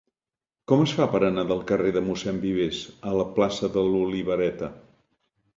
Com es fa per anar del carrer de Mossèn Vives a la plaça de l'Olivereta?